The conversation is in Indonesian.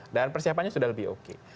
dan persiapannya sudah lebih oke